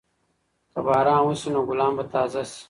که باران وشي نو ګلان به تازه شي.